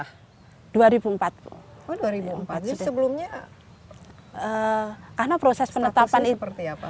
oh dua ribu empat jadi sebelumnya statusnya seperti apa